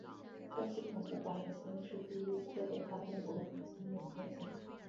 该系统的白矮星是第一颗被发现的白矮星脉冲星。